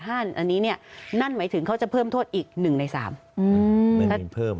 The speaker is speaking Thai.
อันนี้เนี่ยนั่นหมายถึงเขาจะเพิ่มโทษอีก๑ใน๓